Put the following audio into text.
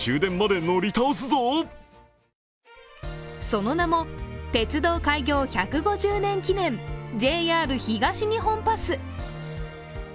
その名も、鉄道開業１５０年記念ＪＲ東日本パス。